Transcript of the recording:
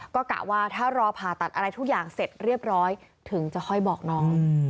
ก็กะว่าถ้ารอผ่าตัดอะไรทุกอย่างเสร็จเรียบร้อยถึงจะค่อยบอกน้อง